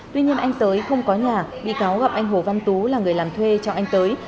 tuy nhiên anh tới không có nhà bị cáo gặp anh hồ văn tú là người làm thuê cho anh tới